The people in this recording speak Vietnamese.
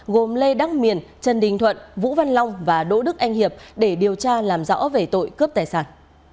gồm lê đắc miền trần đình thuận vũ văn long và đỗ đức anh hiệp để điều tra làm rõ về tội cướp tài sản